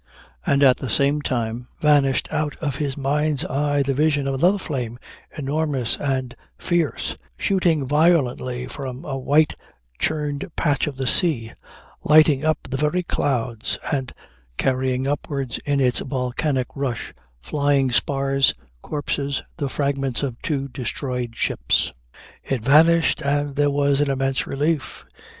And at the same time vanished out of his mind's eye the vision of another flame enormous and fierce shooting violently from a white churned patch of the sea, lighting up the very clouds and carrying upwards in its volcanic rush flying spars, corpses, the fragments of two destroyed ships. It vanished and there was an immense relief.